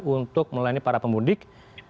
untuk melayani para pemudik